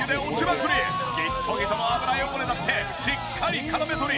ギットギトの油汚れだってしっかり絡め取り